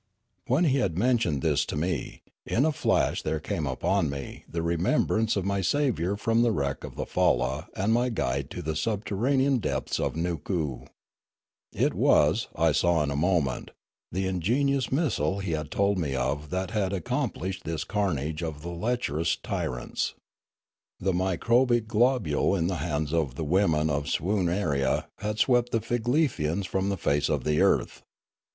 When he had mentioned this to me, in a flash there came upon me the remembrance of my saviour from the wreck of the falla and my guide into the subter ranean depths of Nookoo. It was, I saw in a moment, the ingenious missile he had told me of that had accom plished this carnage of the lecherous tyrants. The microbic globule in the hands of the women of Swoon arie had swept the Figlefians from the face of the earth.